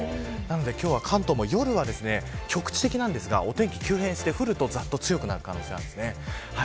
今日は関東も夜は局地的ですがお天気急変して、降ると強く降る可能性があります。